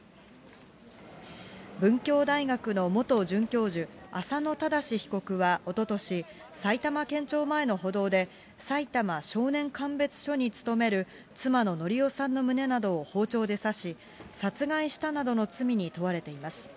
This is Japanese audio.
文教大学の元准教授、浅野正被告はおととし、埼玉県庁前の歩道で、さいたま少年鑑別所に勤める妻ののりよさんの胸などを包丁で刺し、殺害したなどの罪に問われています。